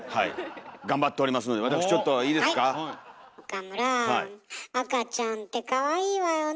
岡村赤ちゃんってかわいいわよね。